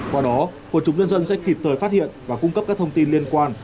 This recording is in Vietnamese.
qua đó một chúng dân dân sẽ kịp thời phát hiện và cung cấp các thông tin liên quan